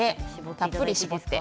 たっぷり搾って。